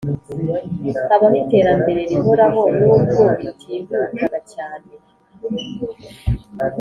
Habaho iterambere rihoraho n ubwo ritihutaga cyane